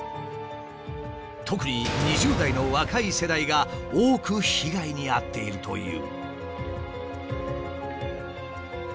特に２０代の若い世代が多く被害に遭っているという。